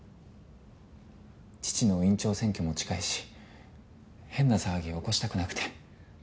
父の院長選挙も近いし変な騒ぎを起こしたくなくて。